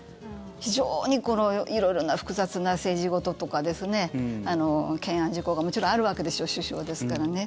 非常に色々な複雑な政治事とか懸案事項がもちろんあるわけでしょう首相ですからね。